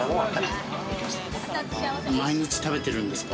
毎日食べてるんですか？